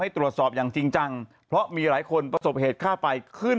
ตรวจสอบอย่างจริงจังเพราะมีหลายคนประสบเหตุค่าไฟขึ้น